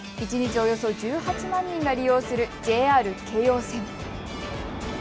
およそ１８万人が利用するＪＲ京葉線。